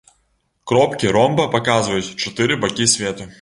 Кропкі ромба паказваюць чатыры бакі свету.